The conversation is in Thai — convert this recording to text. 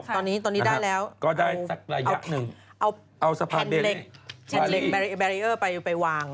ตอนนี้ได้แล้วเอาแผ่นเหล็กแบรียอร์ไปวาง